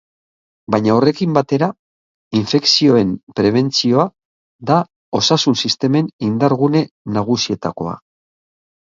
Baina horrekin batera, infekzioen prebentzioa da osasun-sistemen indar-gune nagusietakoa.